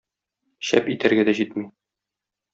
Чәп итәргә дә җитми.